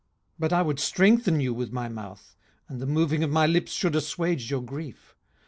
18:016:005 But I would strengthen you with my mouth, and the moving of my lips should asswage your grief.